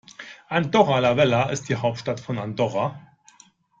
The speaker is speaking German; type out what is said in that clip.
Andorra la Vella ist die Hauptstadt von Andorra.